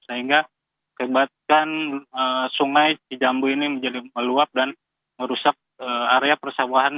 sehingga kelebatan sungai cijambu ini menjadi meluap dan merusak area perusahaan